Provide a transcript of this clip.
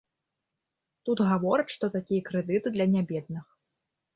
Тут гавораць, што такія крэдыты для нябедных.